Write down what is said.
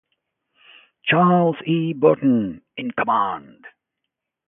Charles E. Brunton in command.